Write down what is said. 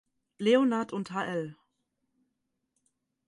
Leonhard und hl.